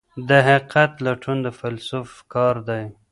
د حقیقت لټون د فیلسوف کار دی.